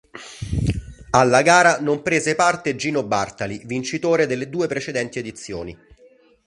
Alla gara non prese parte Gino Bartali, vincitore delle due precedenti edizioni,